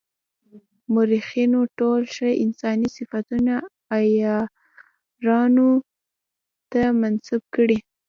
مورخینو ټول ښه انساني صفتونه عیارانو ته منسوب کړي.